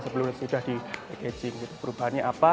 sebelumnya sudah di packaging gitu perubahannya apa